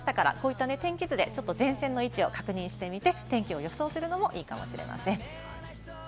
梅雨入りしましたから、こういった天気図で前線の位置を確認してみて、天気を予想するのもいいかもしれません。